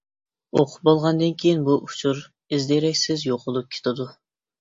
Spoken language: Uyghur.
ئوقۇپ بولغاندىن كېيىن بۇ ئۇچۇر ئىز-دېرەكسىز يوقىلىپ كېتىدۇ.